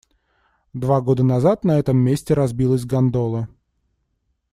Два года назад на этом месте разбилась гондола.